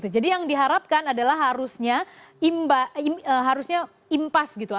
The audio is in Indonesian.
jadi yang diharapkan adalah harusnya impas